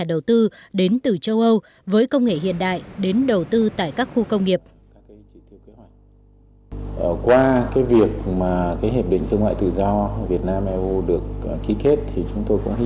đồng thời cũng đòi hỏi phải đầu tư máy móc ứng dụng công nghệ hiện đại vào sản xuất